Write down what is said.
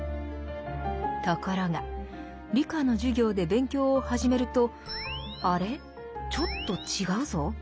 ところが理科の授業で勉強を始めると「あれ？ちょっと違うぞ？」。